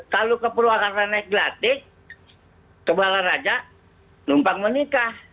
kalau ke pulau akarta naik glatik ke bala raja numpang menikah